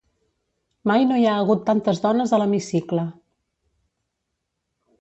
Mai no hi ha hagut tantes dones a l'hemicicle.